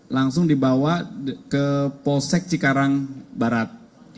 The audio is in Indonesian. langsung dibawa ke polsek cikarang barat